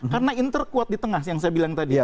karena inter kuat di tengah yang saya bilang tadi